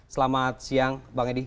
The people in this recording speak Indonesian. selamat siang bang edi